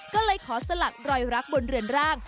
ก็เลยขอสลักรอยรักบนเรือนร่าง